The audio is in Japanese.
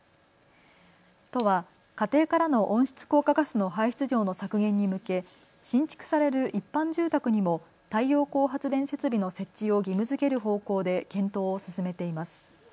都は家庭からの温室効果ガスの排出量の削減に向け新築される一般住宅にも太陽光発電設備の設置を義務づける方向で検討を進めています。